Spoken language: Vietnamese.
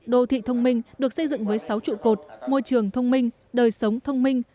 đô thị thông minh được xây dựng với sáu trụ cột môi trường thông minh đời sống thông minh